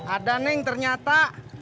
ada neng ternyata